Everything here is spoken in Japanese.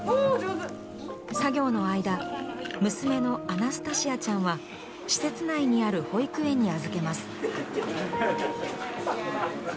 作業の間娘のアナスタシアちゃんは施設内にある保育園に預けます。